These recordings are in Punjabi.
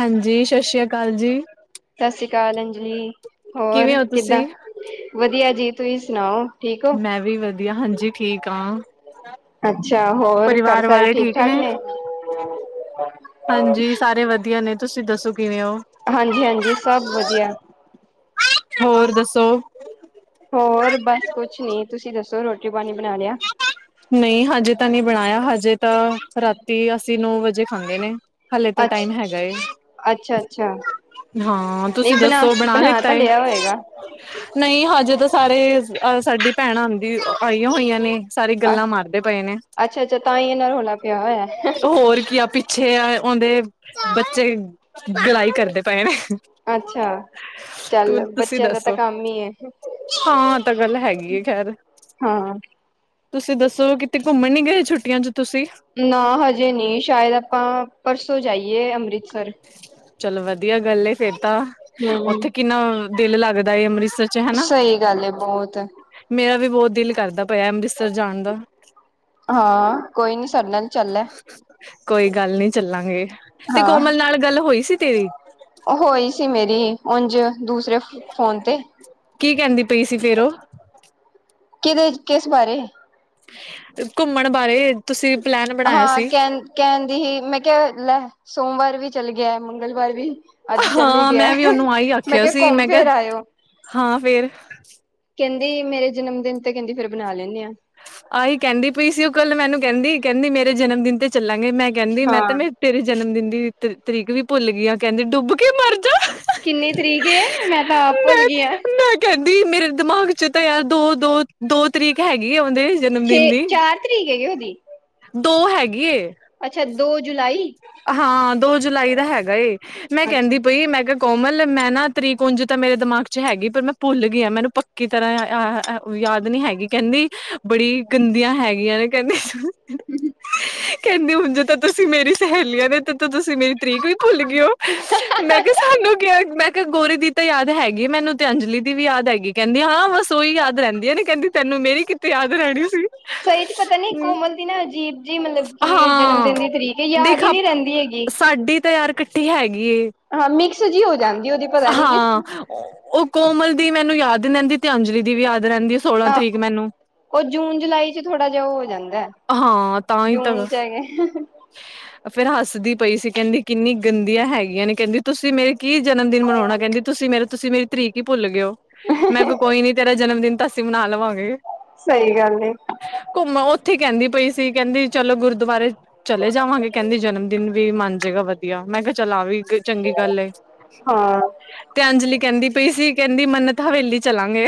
ਹਾਂਜੀ ਸ਼ਸ਼ ਸ਼੍ਰੀ ਅਕਾਲ ਜੀ। ਸਸ ਸ੍ਰੀ ਕਾਲ ਅੰਜਲੀ। ਹੋਰ? ਕਿਵੇਂ ਹੋ ਕਿੱਦਾਂ? ਤੁਸੀਂ? ਵਧੀਆ ਜੀ। ਤੁਸੀ ਸੁਣਾਓ? ਠੀਕ ਹੋ ਮੈਂ ਵੀ ਵਧੀਆ, ਹਾਂਜੀ ਠੀਕ ਆਂ। ਅੱਛਾ ਹੋਰ, ਘਰ ਸਾਰੇ ਵਾਲੇ ਠੀਕ ਠੀਕ-ਠਾਕ ਨੇ? ਤਾਰੇ ਵਧੀਆ ਨੇ। ਤੁਸੀ ਦੱਸੋ, ਕਿਵੇਂ ਓ? ਹਾਂਜੀ-ਹਾਂਜੀ ਸਭ ਵਧੀਆ। ਹੋਰ ਦੱਸੋ? ਹੋਰ, ਬਸ ਕੁਛ ਨੀ। ਤੁਸੀ ਦੱਸੋ ਰੋਟੀ ਪਾਨੀ ਬਨਾ ਲਿਆ? ਨਈ ਹਜੇ ਤਾਂ ਨਈ ਬਨਾਏਆ, ਹਜੇ ਤਾਂ ਰਾਤੀ ਅਸੀ ਨੌ ਵਜੇ ਖਾਂਦੇ ਨੇ। ਹਾਲੇ ਤਾਂ ਅੱਛ ਟਾਈਮ ਹੈਗਾ ਏ। ਅੱਛਾ ਅੱਛਾ ਹਾਂ, ਨਹੀਂ ਤੁਸੀ ਦੱਸੋ ਬਣਾ ਲਿੱਤਾ ਤਾਂ ਏ? ਲਿਆ ਹੋਏਗਾ ਨਈ ਹਜੇ ਤਾਂ ਸਾਰੇ ਅ ਸਾਡੀ ਭੈਣ ਆਂਦੀ ਆਈਆਂ ਹੋਈਆਂ ਨੇ। ਤਾਰੀ ਗੱਲਾਂ ਮਾਰਦੇ ਪਏ ਨੇ। ਅੱਛਾ ਅੱਛਾ ਤਾਂ ਹੀ ਇਹਨਾਂ ਰੌਲਾ ਪਿਆ ਹੋਇਆ ਅ ਹੋਰ ਕੀ ਆ ਛੇ ਅ ਓਂਦੇ ਬੱਚੇ ਗਲਾਈ ਕਰਦੇ ਪਏ ਨੇ। ਅੱਛਾ। ਤੂੰ ਚੱਲ ਤੁਸੀਂ ਬੱਚਿਆਂ ਦਾ ਤਾਂ ਦੱਸੋ ਕੰਮ ਈ ਏ। ਹਾਂ ਤਾਂ ਗੱਲ ਹੈਗੀ ਹਾਂ। ਤੁਸੀ ਦੱਸੋ ਕਿਤੇ ਘੁੰਮਨ ਨੀ ਗਏ ਛੁੱਟੀਆਂ 'ਚ ਤੁਸੀ? ਨਾ ਹਜੇ ਨੀ ਸ਼ਾਇਦ ਆਪਾਂ ਪਰਸੋਂ ਜਾਈਏ ਅੰਮ੍ਰਿਤ ਚਲੋ ਵਧੀਆ ਗੱਲ ਏ ਫੇਰ ਤਾਂ ਹਮ ਓਥੇ ਕਿੰਨਾ ਦਿਲ ਲੱਗਦਾ ਏ ਅੰਮ੍ਰਿਤਸਰ ਚ ਹਨਾ ਸਈ ਗੱਲ ਏ ਬੋਹੋਤ। ਮੇਰਾ ਵੀ ਬੋਤ ਦਿਲ ਕਰਦਾ ਪਿਐ ਅੰਮ੍ਰਿਤਸਰ ਜਾਨ ਦਾ। ਹਾਂ ਕੋਈ ਨੀ ਸਾਡੇ ਨਾਲ ਚੱਲ ਲੈ ਕੋਈ ਗੱਲ ਨੀ ਚੱਲਾਂਗੇ। ਤੇ ਕੋਮਲ ਨਾਲ ਗੱਲ ਹੋਈ ਸੀ ਤੇਰੀ? ਆ ਹੋਈ ਸੀ ਮੇਰੀ ਓਂਝ। ਦੂਸਰੇ ਫ ਫੋਨ ਤੇ ਕੀ ਕਹਿੰਦੀ ਪਈ ਸੀ ਫੇਰ ਉਹ ਕਿਦੇ? ਕਿਸ ਬਾਰੇ? ਅ ਘੁੰਮਣ ਬਾਰੇ। ਤੁਸੀ ਵੀ ਪਲੈਨ ਬਣਾਇਆ ਹਾਂ ਸੀ ਕੈਨ ਕੈਂਦੀ ਹੀ ਮੈਂ ਕਿਆ ਲੈ ਸੋਮਵਾਰ ਵੀ ਚੱਲ ਗਿਐ, ਮੰਗਲਵਾਰ ਵੀ ਆੱਜ ਚੱਲੀ ਹਾਂ ਗਿਐ। ਮੈਂ ਵੀ ਉਹਨੂੰ ਆਹੀ ਮੈਂ ਆਖਿਆ ਕਿਆ ਸੀ ਕਿਹਾ ਘੁੰਮ-ਫੇਰ੍ਹ ਆਏ ਓ। ਹਾਂ ਫੇਰ ਕੇਂਦੀ ਮੇਰੇ ਜਨਮ ਦਿਨ ਤੇ ਕੇਂਦੀ ਫੇਰ ਬਨਾ ਲੇਨੇ ਆਂ। ਆਈ ਕੈਂਦੀ ਪਈ ਸੀ ਓ ਕਾੱਲ ਮੈਨੂੰ ਕੈਂਦੀ, ਕੈਂਦੀ ਮੇਰੇ ਜਨਮ ਦਿਨ ਤੇ ਚੱਲਾਂਗੇ। ਮੈਂ ਕੈਂਦੀ ਮੈਂ ਤਾਂ ਹਾਂ ਮੇ ਤੇਰੇ ਜਨਮ ਦਿਨ ਦੀ ਤਰੀ ਤਰੀਕ ਵੀ ਭੁੱਲ ਗਈ ਆਂ ਕੇਂਦੀ ਡੁੱਬ ਕੇ ਮਰ ਜਾ। ਕਿੰਨੀ ਤਰੀਕ ਏ, ਮੈਂ ਤਾਂ ਆਪ ਭੁੱਲ ਗੀ ਆਂ। ਕੈਂਦੀ ਮੇਰੇ ਦਿਮਾਗ 'ਚ ਤਾਂ ਯਾਰ ਦੋ, ਦੋ, ਦੋ ਤਰੀਕ ਹੈਗੀ ਏ ਅਵਦੇ ਜਨਮ ਦਿਨ ਛੇ ਦੀ। ਚਾਰ ਤਰੀਕ ਹੈਗੀ ਉਹਦੀ ਦੋ ਹੈਗੀ ਏ। ਅੱਛਾ, ਦੋ ਜੁਲਾਈ? ਅ ਹਾਂ, ਦੋ ਜੁਲਾਈ ਦਾ ਹੈਗਾ ਏ। ਮੈਂ ਅੱਛਾ ਕੈਂਦੀ ਪਈ ਮੈਂ ਕਿਆ ਕੋਮਲ, ਮੈਂ ਨਾਂ ਤਰੀਕ ਓਂਝ ਤਾਂ ਮੇਰੇ ਦਮਾਗ 'ਚ ਹੈਗੀ। ਪਰ ਮੈਂ ਭੁੱਲ ਗੀ ਆਂ। ਮੈਨੂੰ ਪੱਕੀ ਤਰ੍ਹਾਂ ਅ ਹ ਯਾਦ ਨੀ ਹੈਗੀ। ਕੈਂਦੀ ਬੜੀ ਗੰਦੀਆਂ ਹੈਗੀਆਂ, ਕੈਂਦੀ [unintelligible] ਕੈਂਦੀ ਹੁਨ ਜੇ ਤਾਂ ਤੁਸੀ ਮੇਰੀ ਸਹੇਲੀਆਂ ਨੇ ਤੇ ਤਾਂ ਤੁਸੀ ਮੇਰੀ ਤਰੀਕ ਵੀ ਭੁੱਲ ਗੇ ਓ। ਮੈਂ ਕਿਆ ਸਾਨੂੰ ਕਿਐ ਮੈਂ ਕਿਆ ਗੋਰੀ ਦੀ ਤਾਂ ਯਾਦ ਹੈਗੀ ਏ, ਮੈਨੂੰ ਤੇ ਅੰਜਲੀ ਦੀ ਵੀ ਯਾਦ ਹੈਗੀ। ਕੈਂਦੀ ਹਾਂ-ਹਾਂ ਸ ਓ ਈ ਯਾਦ ਰੈਂਦੀਆਂ ਨੇ ਕੈਂਦੀ ਤੈਨੂੰ ਮੇਰੀ ਕਿ ਤੇ ਯਾਦ ਰੈਣੀ ਸੀ। ਸਈ 'ਚ ਪਤਾ ਨੀ ਕੋਮਲ ਦੀ ਨਾ ਅਜੀਬ ਜੀ ਮਤਲਬ ਕਿ ਜਨਮ ਹਾਂ ਦਿਨ ਦੀ ਤਰੀਕ ਹੈ ਯਾਦ ਦੇਖ ਹੀ ਆਬ, ਨਹੀਂ ਰਹਿੰਦੀ ਹੈਗੀ। ਸਾਡੀ ਤਾਂ ਯਾਰ ਕੱਠੀ ਹੈਗੀ ਏ। ਹਾਂ, ਮਿਕਸ ਜੀ ਹਾਂ, ਓ ਕੋਮਲ ਦੀ ਮੈਨੂੰ ਯਾਦ ਰੈਂਦੀ ਤੇ ਅੰਜਲੀ ਦੀ ਵੀ ਯਾਦ ਰੈਂਦੀ ਏ। ਅ, ਓ ਜੂਨ-ਜੁਲਾਈ 'ਚ ਥੋੜਾ ਜਿਆ ਓ ਹੋ ਜਾਂਦੈ। ਹਾਂ ਤਾਂ ਹੀ ਜੂਨ ਤਾਂ ਇੱਚ ਹੈਗੈ। ਫੇਰ ਹਸਦੀ ਪਈ ਸੀ ਕੈਂਦੀ ਕਿੰਨੀ ਗੰਦੀਆਂ ਹੈਗੀਆਂ ਨੇ। ਕੈਂਦੀ ਤੁਸੀ ਮੇਰੀ ਕੀ ਜਨਮ ਦਿਨ ਮਨਾਉਣਾ ਕਹਿੰਦੀ ਤੁਸੀਂ ਮੇਰਾ ਤੁਸੀਂ ਮੇਰੀ ਤਰੀਕ ਹੀ ਭੁੱਲ ਗਏਓ ਮੈਂ ਕਿਹਾ ਕੋਈ ਨੀ ਤੇਰਾ ਜਨਮ ਦਿਨ ਅਸੀਂ ਮਨਾ ਲਵਾਂਗੇ ਸਹੀ ਗੱਲ ਐ ਘੁੰਮਣ ਉੱਥੇ ਕਹਿੰਦੀ ਪਈ ਸੀ ਕਹਿੰਦੀ ਚਲੋ ਗੁਰਦੁਆਰੇ ਚਲੇ ਜਾਵਾਂਗੇ ਕਹਿੰਦੀ ਜਨਮ ਦਿਨ ਵੀ ਮੰਨ ਜਾਏਗਾ ਵਧੀਆ ਮੈਂ ਕਿਹਾ ਚਲ ਆ ਵੀ ਚੰਗੀ ਗੱਲ ਏ ਹਾਂ ਤੇ ਅੰਜਲੀ ਕਹਿੰਦੀ ਪਈ ਸੀ ਕਹਿੰਦੀ ਮੰਨਤ ਹਵੇਲੀ ਚਲਾਂਗੇ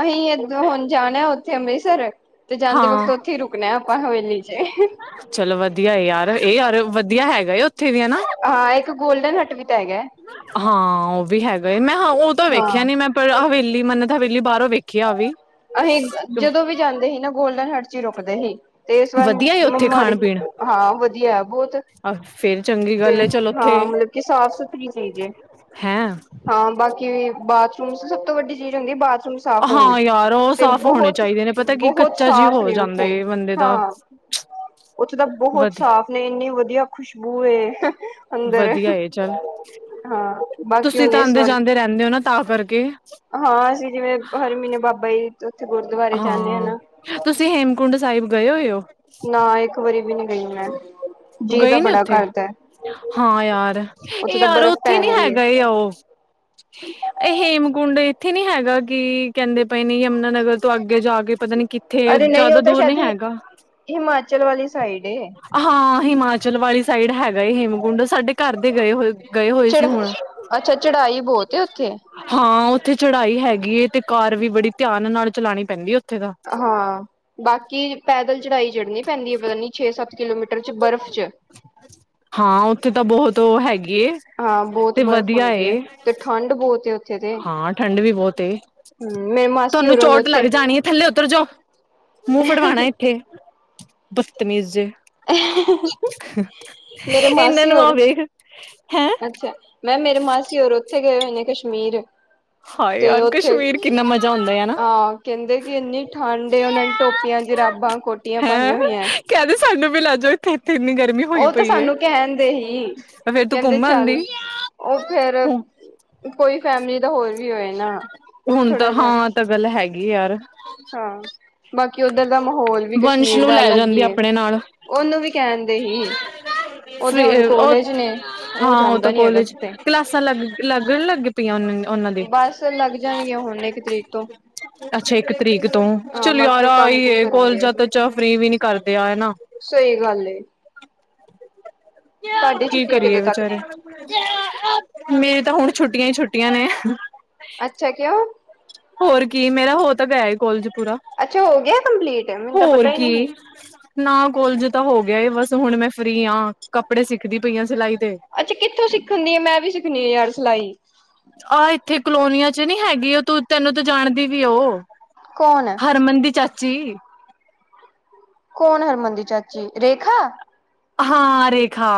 ਅਹੀਂ ਹੁਣ ਜਾਣਾ ਉੱਥੇ ਅੰਮ੍ਰਿਤਸਰ ਤੇ ਜਾਂਦੇ ਹਾਂ ਵਕਤ ਉੱਥੇ ਹੀ ਰੁਕ ਣਾਕਕਾ ਹਵੇਲੀ 'ਚ ਚਲੋ ਵਧੀਆ ਯਾਰ ਇਹ ਯਾਰ ਵਧੀਆ ਹੈਗਾ ਉੱਥੇ ਵੀ ਹੈਨਾ ਹਾਂ ਇੱਕ ਗੋਲਡਨ ਹਟ ਵੀ ਤਾਂ ਹੈਗਾ। ਹਾਂ ਉਹ ਵੀ ਹੈਗਾ ਏ ਮੈਂ ਹਾਂ ਉਹ ਤਾਂ ਵੇਖਿਆ ਹਾਂ ਨੀ ਮੈਂ ਪਰ ਹਵੇਲੀ ਮਨੰਤ ਹਵੇਲੀ ਬਾਹਰੋਂ ਵੇਖਿਆ ਵੇ ਅਹੀਂ ਜਦੋਂ ਵੀ ਜਾਂਦੇ ਸੀ ਨਾ ਗੋਲਡਨ ਹਟ 'ਚ ਹੀ ਰੁਕਦੇ ਸੀ ਤੇ ਇਸ ਵਾਰੀ ਵਧੀਆ ਏ ਉੱਥੇ ਖਾਣ ਮਨੰਤ ਪੀਣ ਹਾਂ ਵਧੀਆ ਬਹੁਤ ਆ ਫੇਰ ਚੰਗੀ ਤੇ ਗੱਲ ਏ ਚਲ ਉੱਥੇ ਹਾਂ ਮਤਲਬ ਕਿ ਸਾਫ਼ ਸੁਥਰੀ ਚੀਜ਼ ਏ ਹੈਂ ਹਾਂ ਬਾਕੀ ਬਾਥਰੂਮਸ ਸਭ ਤੋਂ ਵੱਡੀ ਚੀਜ਼ ਹੁੰਦੀ ਬਾਥਰੂਮਸ ਸਾਫ਼ ਹੋਣ ਹਾਂ ਯਾਰ ਉਹ ਤੇ ਸਾਫ਼ ਹੋਣੇ ਬਹੁਤ ਚਾਹੀਦੇ ਨੇ ਪਤਾ ਕੀ ਬਹੁਤ ਕੱਚਾ ਜੀ ਸਾਫ ਹੋ ਨੇ ਜਾਂਦਾ ਉੱਥੇ ਏ ਬੰਦੇ ਦਾ ਹਾਂ ਉੱਥੇ ਤਾਂ ਬਹੁਤ ਵਧ ਸਾਫ ਨੇ ਇੰਨੀ ਵਧੀਆ ਖੁਸ਼ਬੂ ਏ ਅੰਦਰ ਵਧੀਆ ਏ ਚੱਲ ਹਾਂ ਬਾਕੀ ਤੁਸੀਂ ਹੁਣ ਤਾਂ ਇਸ ਆਉਦੇ ਵਾਰ ਜਾਂਦੇ ਰਹਿੰਦੇ ਹੋ ਤਾਂ ਕਰਕੇ ਹਾਂ ਅਸੀਂ ਜਿਵੇਂ ਹਰ ਮਹੀਨੇ ਬਾਬਾ ਜੀ ਉੱਥੇ ਗੁਰਦੁਆਰੇ ਜਾਂਦੇ ਹਾਂ ਤੁਸੀਂ ਹੇਮਕੁੰਡ ਸਾਹਿਬ ਗਏ ਹੋਏ ਹੋ ਨਾ ਇੱਕ ਵਾਰੀ ਵੀ ਨੀ ਗਈ ਮੈਂ ਜੀ ਤਾਂ ਗਏ ਨੇ ਬੜਾ ਉੱਥੇ ਕਰਦਾ ਹੈ ਹਾਂ ਯਾਰ ਇਹ ਯਾਰ ਉੱਥੇ ਨੀ ਹੈਗਾ ਏ ਉਹ ਇਹ ਹੇਮਕੁੰਡ ਇੱਥੇ ਨੀ ਹੈਗਾ ਕਿ ਕਹਿੰਦੇ ਪਏ ਨੀ ਯਮਨਾ ਨਗਰ ਤੋਂ ਅੱਗੇ ਜਾ ਕੇ ਪਤਾ ਨੀ ਕਿੱਥੇ ਅਰੇ ਨਹੀਂ ਜ਼ਿਆਦਾ ਉਹ ਤਾਂ ਦੂਰ ਸ਼ਾਇਦ ਨਹੀ ਹੈਗਾ ਹਿਮਾਚਲ ਵਾਲੀ ਸਾਈਡ ਏ। ਹਾਂ ਹਿਮਾਚਲ ਵਾਲੀ ਸਾਈਡ ਹੈਗਾ ਏ ਹੇਮਕੁੰਡ ਸਾਡੇ ਘਰ ਦੇ ਗਏ ਹੋਏ ਗਏ ਹੋਏ ਚੜ ਸੀ ਹੁਣ ਅੱਛਾ ਚੜਾਈ ਬਹੁਤ ਹੈ ਉੱਥੇ ਹਾਂ ਉੱਥੇ ਚੜਾਈ ਹੈਗੀ ਤੇ ਕਾਰ ਵੀ ਬੜੀ ਧਿਆਨ ਨਾਲ ਚਲਾਉਣੀ ਪੈਂਦੀ ਹੈ ਉੱਥੇ ਤਾਂ ਹਾਂ ਬਾਕੀ ਪੈਦਲ ਚੜਾਈ ਚੜ੍ਹਨੀ ਪੈਂਦੀ ਏ ਪਤਾ ਨੀ ਛੇ ਸੱਤ ਕਿਲੋਮੀਟਰ 'ਚ ਬਰਫ਼ 'ਚ ਹਾਂ ਉੱਥੇ ਤੇ ਬਹੁਤ ਉਹ ਹੈਗੀ ਏ ਹਾਂ ਬਹੁਤ ਤੇ ਬਰਫ਼ ਵਧੀਆ ਹੁੰਦੀ ਏ ਤੇ ਠੰਢ ਬਹੁਤ ਉੱਥੇ ਤੇ ਹਾਂ ਠੰਡ ਵੀ ਬਹੁਤ ਏ ਹਮ ਮੇਰੇ ਮਾਸੀ ਤੁਹਾਨੂੰ ਹੋਰ ਨੇ ਚੋਟ ਲੱਗ ਉੱਥੇ ਜਾਣੀ ਥੱਲੇ ਉਤਰ ਜਾਓ ਮੂੰਹ ਫੜਵਾਣਾ ਇੱਥੇ ਬਤਮੀਜ਼ ਜੇ ਮੇਰੇ ਇਹਨਾਂ ਮਾਸੀ ਨੂੰ ਆ ਹੋਰ ਵੇਖ ਹੈਂ ਅੱਛਾ। ਮੈਂ ਮੇਰੇ ਮਾਸੀ ਉੱਥੇ ਗਏ ਹੋਏ ਨੇ ਕਸ਼ਮੀਰ। ਹਾਏ ਤੇ ਯਾਰ ਉੱਥੇ ਕਸ਼ਮੀਰ ਕਿੰਨਾ ਮਜ਼ਾ ਆਉਂਦਾ ਆ ਨਾ ਹਾਂ ਕਹਿੰਦੇ ਕਿ ਇੰਨੀ ਠੰਡ ਉਹਨਾਂ ਨੇ ਟੋਪੀਆਂ ਜਰਾਬਾਂ ਕੋਟੀਆਂ ਹੈਂ ਪਾਈਆਂ ਹੋਈਆ। ਕਹਿੰਦੇ ਸਾਨੂੰ ਵੀ ਲੈ ਜਓ ਇੱਥੇ ਇੰਨੀ ਗਰਮੀ। ਹੋਈ ਉਹ ਤਾਂ ਪਈ ਏ ਸਾਨੂੰ ਕਹਿਦੇ ਹੀ ਫੇਰ ਤੂੰ ਕਹਿੰਦੇ ਘੁੰਮ ਚੱਲ ਆਂਦੀ ਉਹ ਫਿਰ ਕੋਈ ਫੈਮਿਲੀ ਦਾ ਹੋਏ ਵੀ ਹੋਏ ਨਾ ਹੁਣ ਤਾਂ ਥੋੜਾ ਜਿਹਾ। ਹਾਂ ਤਾਂ ਗੱਲ ਹੈਗੀ ਯਾਰ ਹਾਂ ਬਾਕੀ ਉੱਧਰ ਦਾ ਮਾਹੌਲ ਵੀ ਵੰਸ਼ ਕਸ਼ਮੀਰ ਨੂੰ ਦਾ ਲੈ ਅਲੱਗ ਜਾਂਦੀ ਹੀ ਹੈ। ਆਪਣੇ ਨਾਲ ਉਹਨੂੰ ਵੀ ਕਹਿਣ ਦੇ ਹੀ। ਉਹਦੇ ਹੁਣ ਫੇਰ ਉਹ ਕੋਲੇਜ ਨੇ ਹਾਂ ਉਹ ਜਾਂਦਾ ਤਾਂ ਨੀ ਹੈਗਾ ਕੋਲੇਜ, ਕਿਤੇ ਕਲਾਸਾਂ ਲੱਗ ਲੱਗਣ ਲੱਗ ਪਇਆਂ ਨੇ ਉਹਨਾਂ ਦੇ, ਬਸ ਲੱਗ ਜਾਣਗੇ ਹੁਣ ਇੱਕ ਤਰੀਕ ਤੋਂ ਅੱਛਾ ਇੱਕ ਤਰੀਕ ਤੋਂ ਹਾਂ ਚਲ ਯਾਰ ਬਾਕੀ ਉਹ ਆ ਕੰਮ ਈ ਕੁਮ ਰੇ ਕਰਨ ਡਿਆ ਕੋਲਜਾ ਤੇ ਚਾ ਫਰੀ ਵੀ ਨੀ ਕਰਦੇ ਆ ਹੈਨਾ। ਸਹੀ ਗੱਲ ਏ। ਤੁਹਾਡੀ ਕੀ ਛੁੱਟੀਆਂ ਕਰੀਏ ਕਦੋਂ ਤੱਕ ਵਿਚਾਰੇ, ਨੇ ਮੇਰੀ ਤਾਂ ਹੁਣ ਛੁੱਟੀਆਂ ਹੀ ਛੁੱਟੀਆਂ ਨੇ। ਅੱਛਾ, ਕਿਉਂ ਹੋਰ ਕੀ, ਮੇਰਾ ਹੋ ਤਾਂ ਗਿਆ ਏ ਕੋਲਜ ਪੂਰਾ। ਅੱਛਾ ਹੋ ਗਿਆ ਕੰਪਲੀਟ, ਮੈਨੂੰ ਤਾਂ ਹੋਰ ਪਤਾ ਹੀ ਨਹੀਂ ਕੀ ਸੀ। ਨਾ ਕੋਲਜ ਤਾਂ ਹੋ ਗਿਆ। ਬਸ ਹੁਣ ਮੈਂ ਫ੍ਰਰੀ ਹਾਂ। ਕੱਪੜੇ ਸਿੱਖਦੀ ਪਈ ਹਾਂ ਸਿਲਾਈ ਦੇ। ਅੱਛਾ ਕਿੱਥੋਂ ਸਿੱਖਣ ਦੀ ਆ, ਮੈਂ ਵੀ ਸਿੱਖਣੀ ਹੈ ਯਾਰ ਸਿਲਾਈ। ਆਹ ਇੱਥੇ ਕਲੋਨੀਆਂ ਚ ਨੀ ਹੈਗੀ, ਉਹ ਤੂੰ ਤੈਨੂੰ ਤਾਂ ਜਾਣਦੀ ਵੀ ਐ ਉਹ। ਕੌਣ ਹੈ? ਹਰਮਨ ਦੀ ਚਾਚੀ। ਕੌਣ ਹਰਮਨ ਦੀ ਚਾਚੀ? ਰੇਖਾ। ਹਾਂ ਰੇਖਾ।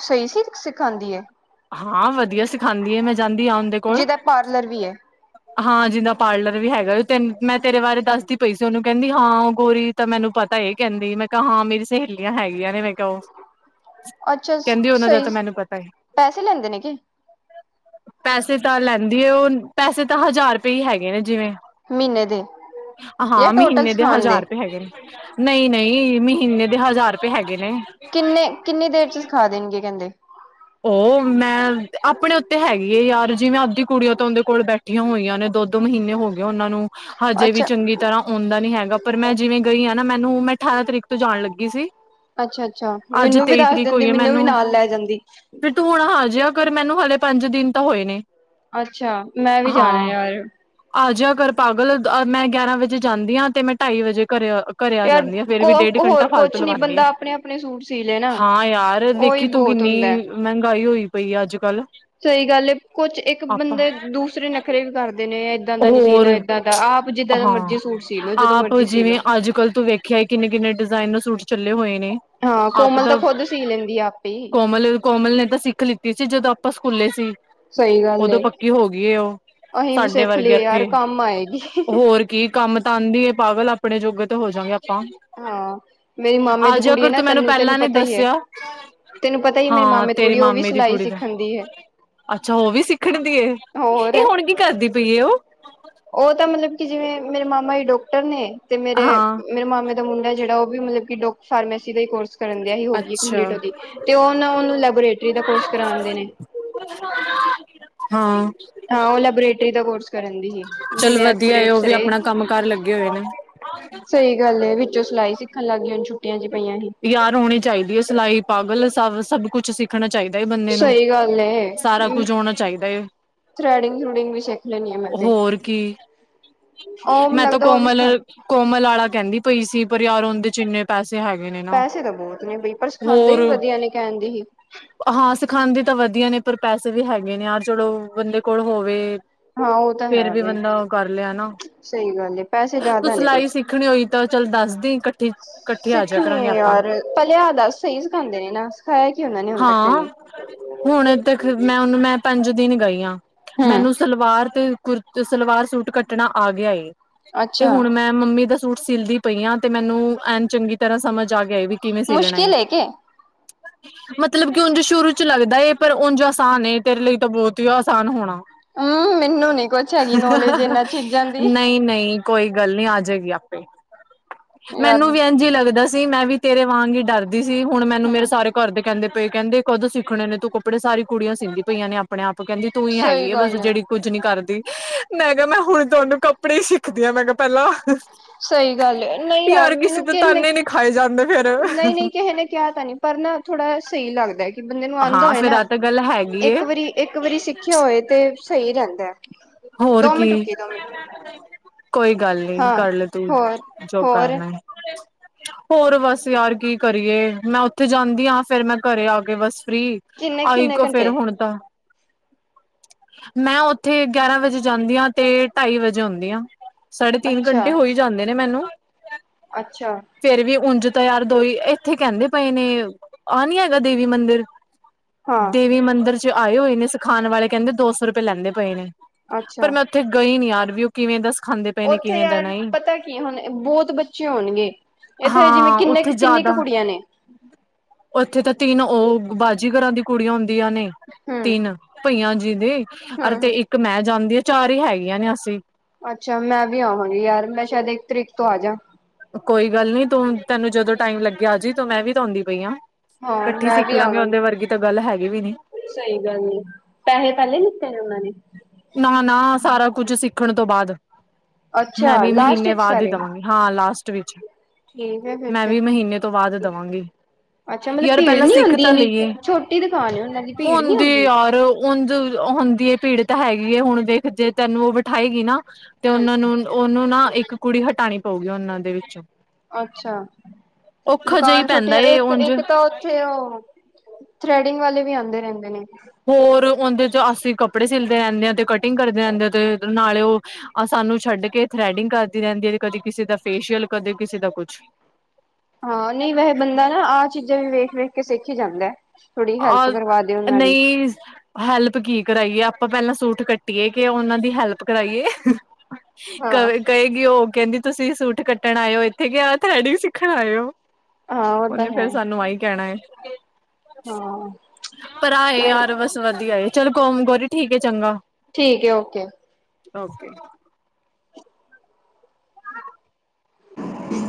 ਸਹੀ ਸੀ ਸਿਖਾਉਂਦੀ ਏ। ਹਾਂ ਵਧੀਆ ਸਿਖਾਉਦੀ ਆ। ਮੈਂ ਜਾਂਦੀ ਹਾਂ ਉਨਦੇ ਕੋਲ। ਜਿਹਦਾ ਪਾਰਲਰ ਵੀ ਹੈ ਹਾਂ ਜਿੰਦਾਂ ਪਾਰਲਰ ਵੀ ਹੈਗਾ ਐ। ਤੈ ਮੈਂ ਤੇਰੇ ਬਾਰੇ ਦੱਸਦੀ ਪਈ ਸੀ ਉਹਨੂੰ, ਕਹਿੰਦੀ ਹਾਂ ਉਹ ਗੋਰੀ। ਤਾਂ ਮੈਨੂੰ ਪਤਾ ਇਹ ਕਹਿੰਦੀ। ਮੈਂ ਕਿਹਾ ਹਾਂ ਮੇਰੀ ਸਹੇਲੀਆਂ ਹੈਗੀਆਂ ਨੇ, ਮੈਂ ਕਿਹਾ ਓਹ। ਅੱਛਾ, ਸਹੀ ਮੈਨੂੰ ਪਤਾ ਏ ਪੈਸੇ ਲੈਂਦੇ ਨੇ ਕਿ? ਪੈਸੇ ਤਾਂ ਲੈਂਦੀ ਉਹ। ਪੈਸੇ ਤਾਂ ਹਜ਼ਾਰ ਰੁਪਏ ਹੀ ਹੈਗੇ ਨੇ, ਜਿਵੇਂ ਮਹੀਨੇ ਦੇ ਜਾਂ ਹਾਂ ਟੋਟਲ ਮਹੀਨੇ ਦੇ ਸਿਖਾਉਣ ਹਜ਼ਾਰ ਰੁਪਏ ਹੈਗੇ ਨੇ। ਨਹੀਂ- ਨਹੀਂ ਮਹੀਨੇ ਦੇ ਹਜ਼ਾਰ ਰੁਪਏ ਹੈਗੇ ਨੇ। ਕਿੰਨੇ? ਕਿੰਨੀ ਦੇਰ ਚ ਸਿਖਾ ਦੇਣਦੀ ਕਹਿੰਦੇ। ਉਹ ਮੈਂ ਆਪਣੇ ਉੱਤੇ ਹੈਗੀ ਐ ਯਾਰ, ਜੀਵੇੈਂ ਅੱਧੀ ਕੁੜੀਆਂ ਤਾਂ ਉਨਦੇ ਕੋਲ ਬੈਠੇ ਠਿਆਂ ਹੋਇਆ ਨੇ ਦੋ- ਦੋ ਮਹੀਨੇ ਹੋ ਗਏ ਉਹਨਾਂ ਨੂੰ। ਹਜੇ ਵੀ ਅੱਛਾ ਚੰਗੀ ਤਰਾਂ ਆਉਂਦਾ ਨੀ ਹੈਗਾ। ਪਰ ਮੈਂ ਜਿਵੇਂ ਗਈ ਹਾਂ ਨਾ, ਮੈਨੂੰ ਮੈਂ ਅਠਾਰਾਂ ਤਰੀਕ ਤੋਂ ਜਾਣ ਲੱਗੀ ਸੀ। ਅੱਛਾ- ਅੱਛਾ ਅੱਜ ਮੈਨੂੰ ਵੀ ਦੱਸ ਦਿੰਦੀ, ਮੈਨੂੰ ਵੀ ਨਾਲ ਲੈ ਜਾਂਦੀ। ਫੇਰ ਤੁੰ ਹੁਣ ਆ ਜੇਆ ਕਰ ਮੈਨੂੰ ਹਾਲੇ ਪੰਜ ਦਿਨ ਤਾਂ ਹੋਏ ਨੇ। ਅੱਛਾ, ਮੈਂ ਵੀ ਹਾਂ ਜਾਣਾ ਯਾਰ। ਆਜਿਆ ਕਰ ਪਾਗਲ, ਮੈਂ ਗਿਆਰਾਂ ਵਜੇ ਜਾਂਦੀ ਹਾਂ। ਤੇ ਮੈਂ ਢਾਈ ਵਜੇ ਘਰੇ- ਘਰੇ ਆ ਯਾਰ ਜਾਂਦੀ ਹਾਂ ਫੇਰ ਵੀ ਡੇਢ ਘੰਟਾ ਹੋਰ ਫਾਲਤੂ ਕੁਛ ਨੀ ਲਵਾਉਂਦੀ ਆ ਬੰਦਾ ਆਪਣੇ- ਆਪਣੇ ਸੂਟ ਸੀ ਲੈ ਨਾ, ਹਾਂ ਯਾਰ ਉਹੀ ਵੇਖੀ ਤੂੰ ਬਹੁਤ ਹੁੰਦਾ ਐ। ਕਿੰਨੀ ਮਹਿੰਗਾਈ ਹੋਈ ਪਈ ਆ ਅੱਜ ਕੱਲ। ਸਹੀ ਗੱਲ ਏ ਕੁਛ ਇੱਕ ਆਪਾਂ ਬੰਦੇ ਦੂਸਰੇ ਨਖਰੇ ਵੀ ਕਰਦੇ ਨੇ ਏਦਾਂ ਦਾ ਨੀ ਸੀਣਾ, ਹੋਰ ਏ- ਹਾਂ ਜਦੋਂ ਆਪ ਮਰਜੀ ਸੀ ਲੋ ਜਿਵੇਂ ਅੱਜ ਕੱਲ ਤੂੰ ਵੇਖਿਆ ਕਿੰਨੇ- ਕਿੰਨੇ ਡਿਜ਼ਾਇਨ ਦਾ ਸੂਟ- ਚੱਲੇ ਹੋਏ ਨੇ। ਹਾਂ ਕੋਮਲ ਤਾਂ ਖੁੱਦ ਸੀ ਲੈਂਦੀ ਆ ਆਪੇ ਹੀ। ਕੋਮਲ ਕੋਮਲ ਨੇ ਤਾਂ ਸਿੱਖ ਲਿੱਤੀ ਸੀ, ਜਦੋਂ ਆਪਾਂ ਸਕੂਲੇ ਸੀ। ਸਹੀ ਗੱਲ ਉਦੋਂ ਏ। ਪੱਕੀ ਹੋ ਗਈ ਏ ਉਹ, ਅਸੀਂ ਵੀ ਸਾਡੇ ਸਿੱਖ ਵਰਗੇ ਲਈਏ ਯਾਰ ਇੱਥੇ, ਕੰਮ ਆਏਗੀ। ਹੋਰ ਕੀ ਕੰਮ ਤਾਂ ਆਦੀ ਏ ਪਾਗਲ, ਆਪਣੇ ਜੋਗੇ ਤੇ ਹੋ ਜਾਂਗੇ ਆਪਾਂ। ਹਾਂ, ਮੇਰੀ ਮਾਮੇ ਆ ਦੀ ਜਿਆ ਕੁੜੀ ਏ ਕਰ ਨਾ ਤੂੰ ਮੈਨੂੰ ਤਨੁ, ਤੈਨੂੰ ਪਹਿਲਾਂ ਨੀ ਪਤਾ ਈ ਐ। ਦੱਸਿਆ ਤੈਨੂੰ ਪਤਾ ਈ ਐ ਮੇਰੇ ਹਾਂ ਮਾਮੇ ਦੀ ਤੇਰੇ ਕੁੜੀ ਐ, ਉਹ ਵੀ ਮਾਮੇ ਦੀ ਸਿਲਾਈ ਕੁੜੀ ਦਾ ਸਿੱਖਣ ਦੀ ਹੈ। ਅੱਛਾ, ਉਹ ਵੀ ਸਿੱਖਣ ਦੀ ਏ। ਏ ਹੋਰ। ਹੁਣ ਕੀ ਕਰਦੀ ਪਈ ਉਹ? ਉਹ ਤਾਂ ਮਤਲਬ ਕਿ, ਜਿਵੇਂ ਮੇਰੇ ਮਾਮਾ ਹੀ ਡਾਕਟਰ ਨੇ ਤੇ ਮੇਰੇ, ਹਾਂ ਮੇਰੇ ਮਾਮਾ ਦਾ ਮੁੰਡਾ ਜਿਹੜਾ ਉਹ ਵੀ ਮਤਲਬ ਕਿ ਡੋ ਫਾਰਮੇਸੀ ਦਾ ਹੀ ਕੋਰਸ ਕਰਨ ਦਇਹੀ ਹੋਗੀ ਕੰਪਲੀਟ ਅੱਛਾ ਉਹਦੀ, ਤੇ ਉਹ ਨਾ ਉਹਨੂੰ ਲੈਬੋਰੇਟਰੀ ਦਾ ਕੋਰਸ ਕਰਾਂਦੇ ਨੇ। ਹਾਂ। ਹਾਂ। ਉਹ ਲੈਬੋਰੇਟਰੀ ਦਾ ਕੋਰਸ ਕਰਨ ਦੀ ਏ, ਚੱਲ ਜਿਵੇਂ ਵਧੀਆ ਐਕਸਰੇ- ਉਹ ਵੀ ਉਕਸਰੇ। ਆਪਣਾ ਕੰਮ ਕਾਰ ਲੱਗੇ ਹੋਏ ਨੇ ਸਹੀ ਗੱਲ ਏ। ਵਿੱਚੋਂ ਸਿਲਾਈ ਸਿੱਖਣ ਲੱਗ ਗਈਯਾਂ ਛੁੱਟੀਆਂ ਚ ਪਈਆਂ ਸੀ। ਯਾਰ, ਉਂਣੀ ਚਾਹੀਦੀ ਏ ਸਿਲਾਈ ਪਾਗਲ ਸਭ ਸਭ ਕੁੱਛ ਸਿੱ ਰਖਣਾ ਚਾਹੀਦਾ ਏ ਬੰਦੇ ਨੂੰ, ਸਹੀ ਗੱਲ ਏ ਸਾਰਾ ਕੁਝ ਹੋਣਾ ਚਾਹੀਦਾ ਏ। ਥਰੈਡਿੰਗ- ਥਰੂਡਿੰਗ ਵੀ ਸਿੱਖਲੈਣੀ ਏ ਮੈਂ ਤੇ। ਹੋਰ ਕੀ ਉਹ ਮੈਨੂੰ ਮੈਂ ਤਾਂ ਲੱਗਦਾ ਉਹ ਵੀ ਕੋਮਲ, ਸਿਖਾ ਕੋਮਲ ਆਲਾ ਕਹਿੰਦੀ ਪਈ ਸੀ, ਪਰ ਯਾਰ ਉਹਦੇ ਚ' ਇੰਨੇ ਪੈਸੇ ਹੈਗੇ। ਨੇ ਨਾ ਪੈਸੇ ਤਾਂ ਬਹੁਤ ਨੇ ਬਈ, ਪਰ ਸਿਖਾਉਂਦੇ ਹੋਰ ਵੀ ਵਧੀਆ ਨੇ ਕਹਿਣ ਦੀ ਹੀ। ਹਾਂ ਸਿਖਾਂਦੀ ਤਾਂ ਵਧੀਆ ਨੇ, ਪਰ ਪੈਸੇ ਵੀ ਹੈਗੇ ਨੇ ਯਾਰ ਚਲੋ, ਬੰਦੇ ਕੋਲ ਹੋਵੇ। ਹਾਂ ਉਹ ਤਾਂ ਫੇਰ ਹੈ ਵੀ ਬਈ ਬੰਦਾ ਉਹ ਕਰ ਲੇ ਹੇਨਾ। ਸਹੀ ਗੱਲ ਏ ਪੈਸੇ ਤੂੰ ਜ਼ਿਆਦਾ ਨੇ ਸਿਲਾਈ ਕੁਛ ਸਿੱਖ ਕਰਣੀ ਹੋਈ ਤਾਂ ਚੱਲ ਦੱਸਦੀ, ਇਕੱਠੀ ਕੱਠੇ ਆ ਜਾ ਕਰਾਂਗੇ ਨੀ ਆਪਾਂ ਯਾਰ, ਪਹਲੇ ਆ ਦਸ ਸਹੀ ਸਿਖਾਦੇ ਨੇ ਨਾ ਹੈ। ਹਾਂ। ਹੁਣ ਤਕ ਮੈਂ ਉਹਨੂੰ ਮੈਂ ਪੰਜ ਦਿਨ ਗਈ ਆ। ਹਮ ਮੈਨੂੰ ਸਲਵਾਰ ਤੇ ਕੁੁਰ ਸਲਵਾਰ ਸੂਟ ਕੱਟਣਾ ਆ ਗਿਆ ਏ ਤੇ ਅੱਛਾ ਹੁਣ ਮੈਂ ਮੰਮੀ ਦਾ ਸੂਟ ਸੀਲਦੀ ਪਈ ਆ ਤੇ ਮੈਨੂੰ ਐਨ ਚੰਗੀ ਤਰ੍ਹਾਂ ਸਮਝ ਆ ਗਿਆ ਵੀ ਕਿਵੇਂ ਸੀਲਣਾ ਏ। ਮੁਸ਼ਕਿਲ ਹੈ ਕੇ ਮਤਲਬ ਕਿ ਉੰਂਝ ਸ਼ੁਰੂ ਚ' ਲੱਗਦਾ ਏ ਪਰ ਉੰਝ ਆਸਾਨ ਏ, ਤੇਰੇ ਲਈ ਤਾਂ ਬੋਤ ਈ ਆਸਾਨ ਹੋਣਾ। ਹਮ ਮੈਨੂੰ ਨੀ ਕੁਛ ਹੈਗੀ ਨੌਲੇਜ ਇਹਨਾਂ ਚੀਜ਼ਾਂ ਦੀ ਨਈ -ਨਈ। ਕੋਈ ਗੱਲ ਨੀ, ਆ ਜਗੀ ਆਪੇ ਯਾਰ ਮੈਨੂੰ ਵੀ ਅੰ ਜ ਲੱਗਦਾ ਸੀ ਮੈਂ ਵੀ ਤੇਰੇ ਵਾਂਗ ਈ ਡਰਦੀ ਸੀ, ਹੁਣ ਮੈਂਨੂੰ ਮੇਰੇ ਹਮ ਸਾਰੇ ਘਰਦੇ ਕਹਿੰਦੇ ਪਏ, ਕਹਿੰਦੇ ਕਦੋਂ ਸਿੱਖਣੇ ਨੇ ਤੂੰ ਕੱਪੜੇ ਸਾਰੀ ਕੁੜੀਆਂ ਸੀਦੀ ਪਈਆਂ ਨੇ ਆਪ। ਆਪਣੇ ਆਪ ਕਹਿੰਦੀ ਤੂੰ ਈ ਸਹੀ ਹੈਗੀ ਏ ਬਸ ਗੱਲ ਹੈ ਜਿਹੜੀ ਕੁੱਛ ਨੀ ਕਰਦੀ, ਮੈਂ ਕਿਹਾ ਮੈਂ ਹੁਣ ਤੁਹਾਨੂੰ ਕੱਪੜੇ ਈ ਸਿੱਖਦੀ ਆਂ ਮੈਂ ਕਿਹਾ ਪਹਿਲਾਂ। ਸਹੀ ਗੱਲ ਏ, ਨਹੀਂ ਯਾਰ ਕਿਸੇ ਮੈਨੂੰ ਦੇ ਕਿਨੇ ਤਾਨੇ ਨੀ ਖਾਏ ਜਾਂਦੇ ਫੇਰ ਨਹੀ- ਨਹੀ ਕਿਹੇ ਨੇ ਕਿਹਾ ਤਾਂ ਨਹੀ। ਪਰ ਨਾ ਥੋੜਾ ਏ ਸਹੀ ਲੱਗਦਾ ਏ। ਕਿ ਬੰਦੇ ਨੂੰ ਆਉਂਦਾ ਹਾਂ ਹੋਏ ਫੇਰ ਨਾ ਆਹ ਤਾਂ ਗੱਲ ਹੈਗੀ ਏ ਇੱਕ ਵਾਰੀ- ਇੱਕ ਵਾਰੀ, ਸਿੱਖਿਆ ਹੋਏ ਤੇ ਸਹੀ ਰਹਿੰਦਾ ਅ। ਹੋਰ ਦੋ ਮਿੰਟ ਕੀ ਰੁਕੀ, ਦੋ ਮਿੰਟ ਕੋਈ ਗੱਲ ਨੀ ਹਾਂ ਕਰਲਾ ਤੂੰ ਹੋਰ ਜੋ ਹੋਰ ਕਰਨਾ ਹੋਰ ਬਸ ਯਾਰ ਕੀ ਕਰੀਏ, ਮੈਂ ਉੱਥੇ ਜਾਂਦੀ ਹਾਂ ਫੇਰ ਮੈਂ ਘਰੇ ਆ ਕੇ ਬੱਸ ਫ੍ਰਰੀ ਕਿੰਨੇ ਆਈ ਕਿੰਨੇ ਇੱਕ ਫੇਰ ਘੰਟੇ ਹੁਣ ਤਾਂ [inaudible] ਮੈਂ ਉੱਥੇ ਗਿਆਰਾਂ ਵਜੇ ਜਾਂਦੀ ਹਾਂ ਤੇ ਢਾਈ ਵਜੇ ਓਨੀ ਆ। ਸਾਢੇ ਤਿੰਨ ਅੱਛਾ ਘੰਟੇ ਹੋ ਈ ਜਾਂਦੇ ਨੇ ਮੈਨੂੰ ਅੱਛਾ ਫੇਰ ਵੀ ਉਂਝ ਤਾ ਯਾਰ ਦੋ ਹੀ ਇੱਥੇ ਕਹਿੰਦੇ ਪਏ ਨੇ ਆਹ ਨੀ ਹੈਗਾ ਦੇਵੀ ਮੰਦਿਰ ਹਾਂ, ਦੇਵੀ ਮੰਦਿਰ ਚ ਆਏ ਹੋਏ ਨੇ ਸਿਖਾਣ ਵਾਲੇ ਕਹਿੰਦੇ ਦੋ ਸੌ ਰੁਪਏ ਲੈਂਦੇ ਪਏ ਨੇ ਪਰ ਅੱਛਾ। ਮੈਂ ਉੱਥੇ ਗਈ ਨੀ ਯਾਰ ਵੀ ਉ ਕਿਵੇਂ ਦਾ ਸਿਖਾਂਦੇ ਉੱਥੇ ਯਾਰ ਪਤਾ ਕੀ ਹੁਣ ਬੋਹਤ ਬੱਚੇ ਹੋਣਗੇ। ਏਥੇ ਜਿਵੇਂ ਹਾਂ ਕਿੰਨੇ ਉੱਥੇ ਕੁ ਕਿੰਨੀ ਜ਼ਿਆਦਾ ਕੁੜੀਆਂ ਨੇ ਉੱਥੇ ਤਾਂ ਤਿੰਨ ਉਹ, ਬਾਜ਼ੀਗਰਾ ਦੀ ਕੁੜੀਆਂ ਹੁੰਦੀਆਂ ਨੇ ਹੂੰ, ਤਿੰਨ ਪਈਆਂ ਜੀ ਦੀ ਅ ਹੂੰ, ਤੇ ਹੂੰ। ਇੱਕ ਮੈਂ ਜਾਂਦੀ ਆ ਚਾਰ ਹੀ ਹੈਗੀਆਂ ਨੇ ਅਸੀਂ। ਅੱਛਾ ਮੈਂ ਵੀ ਆਵਾਂਗੀ, ਯਾਰ ਮੈਂ ਸ਼ਾਇਦ ਇੱਕ ਤਰੀਕ ਤੋਂ ਆਜਾ ਕੋਈ ਗੱਲ ਨੀ ਤੂੰ ਤੈਨੂੰ ਜਦੋਂ ਟਾਈਮ ਲੱਗਿਆ ਆ ਜ ਤੂੰ ਮੈਂ ਵੀ ਤਾਂ ਆਉਂਦੀ ਪਈ ਆ ਹਾਂ ਕੱਠੇ ਮੈਂ ਸਿੱਖ ਵੀ ਲਾਂਗੇ ਉਨਦੇ ਆਵਾਂਗੀ ਵਰਗੀ ਤਾਂ ਗੱਲ ਹੈਗੀ ਵੀ ਨੀ ਸਹੀ ਗੱਲ ਏ ਪੈਹੈ ਪਹਿਲੇ ਲਿਤੇ ਨੇ ਉਹਨਾਂ ਨੇ। ਨਾ-ਨਾ ਸਾਰਾ ਕੁਛ ਸਿੱਖਣ ਤੋਂ ਬਾਦ, ਮੈਂ ਅੱਛਾ ਵੀ ਲਾਸਟ ਮਹੀਨੇ ਵਿੱਚ ਬਾਦ ਹੀ ਸਾਰੇ ਦਵਾਂਗੀ। ਹਾਂ ਲਾਸਟ ਵਿੱਚ ਠੀਕ ਹੈ ਫਿਰ ਮੈਂ ਤੇ। ਵੀ ਮਹੀਨੇ ਤੋਂ ਬਾਅਦ ਦਵਾਗੀ। ਅੱਛਾ ਮਤਲਬ ਯਾਰ ਭੀੜ ਪਹਿਲਾਂ ਨੀ ਸਿੱਖ ਹੁੰਦੀ ਤਾਂ ਇੰਨੀ ਲਈਏ। ਛੋਟੀ ਦੁਕਾਨ ਏ ਉਹਨਾਂ ਦੀ ਭੀੜ ਨੀ ਹੁਣਦੀ ਹੁੰਦੀ। ਯਾਰ ਉਂਜ ਹੁੰਦੀ ਅ ਪੀੜ ਤਾ ਹੈਗੀ ਹੈ, ਹੁਣ ਦੇੇਖ ਜੇ ਤੈਨੂੰ ਉਹ ਬਿਠਾਏਗੀ ਨਾ ਤੇ ਹੂੰ। ਉਹਨਾਂ ਨੂੰ ਉਹਨੂੰ ਨਾ ਇੱਕ ਕੁੜੀ ਹਟਾਣੀ ਪਊਗੀ ਉਹਨਾਂ ਦੇ ਵਿੱਚੋਂ ਅੱਛਾ, ਔਖਾ ਜਿਹਾ ਹੀ ਦੁਕਾਨ ਛੋਟੀ ਪੈਂਦਾ ਏ ਇੱਕ ਉਝ -ਇੱਕ ਤਾਂ ਉੱਥੇ ਉਹ ਥਰੈਡਿੰਗ ਵਾਲੇ ਵੀ ਆਂਦੇ ਰਹਿੰਦੇ ਨੇ। ਹੋਰ ਉਹਦੇ ਚ ਅਸੀਂ ਕੱਪੜੇ ਸਿੱਲਦੇ ਰਹਿੰਦੇ ਹਾਂ ਤੇ ਕਟਿੰਗ ਕਰਦੇ ਰਹਿੰਦੇ ਆ ਤੇ ਨਾਲੇ ਉਹ ਆ ਸਾਨੂੰ ਛੱਡ ਕੇ ਥਰੈਡਿੰਗ ਕਰਦੀ ਰਹਿੰਦੀ ਐ, ਕਦੇ ਕਿਸੇ ਦਾ ਫੇਸ਼ੀਅਲ ਕਦੇ ਕਿਸੇ ਦਾ ਕੁਛ। ਹਾਂ ਨਹੀਂ ਵੈਸੇ ਬੰਦਾ ਨਾ ਆਹ ਚੀਜ਼ਾਂ ਵੀ ਵੇਖ -ਵੇਖ ਕੇ ਸਿੱਖ ਹੀ ਜਾਂਦਾ ਥੋੜੀ ਹੈਲਪ ਔਰ ਕਰਵਾ ਦੇ ਉਹਨਾਂ ਦੀ। ਨਈ ਹੈਲਪ ਕੀ ਕਰਾਈਏ ਆਪਾਂ ਪਹਿਲਾਂ ਸੂਟ ਕੱਟੀਏ ਕਿ ਉਹਨਾਂ ਦੀ ਹੈਲਪ ਕਰਾਈਏ। ਕ ਹਾਂ। ਕਹੇਗੀ ਉਹ ਕਹਿੰਦੀ ਤੁਸੀਂ ਸੂਟ ਕੱਟਣ ਆਏ ਓ ਇੱਥੇ ਯਾ ਥਰੈਡਿੰਗ ਸਿੱਖਣ ਆਏ ਓ ਹਾਂ ਉਹ ਤਾਂ ਉਨੇ ਫੇਰ ਸਾਨੂੰ ਆਹੀ ਕਹਿਣਾ ਏ ਹ ਪਰ ਆ ਏ ਯਾਰ ਬਸ ਵਧੀਆ ਏ ਚੱਲ ਕੋਮ ਗੋਰੀ ਠੀਕ ਐ ਚੰਗਾ। ਠੀਕ ਅ ਓਕੇ - [unintelligible]